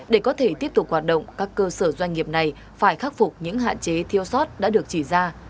để có thể tiếp tục hoạt động các cơ sở doanh nghiệp này phải khắc phục những hạn chế thiêu sót đã được chỉ ra